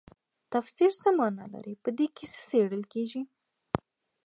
تفسیر څه مانا لري په دې کې څیړل کیږي.